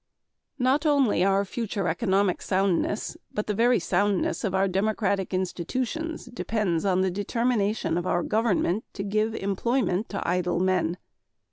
Not only our future economic soundness but the very soundness of our democratic institutions depends on the determination of our government to give employment to idle men.